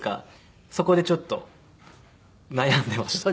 そこでちょっと悩んでいました。